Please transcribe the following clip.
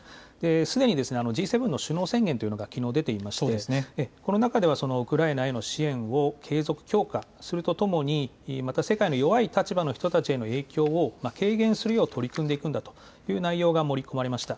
すでにＧ７の首脳宣言というのがきのう出ていてこの中ではウクライナへの支援を継続、強化するとともにまた世界の弱い立場の人たちへの影響を軽減するよう取り組んでいくんだという内容が盛り込まれました。